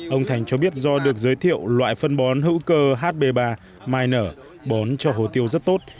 ông thành cho biết do được giới thiệu loại phân bón hữu cơ hb ba minor bón cho hồ tiêu rất tốt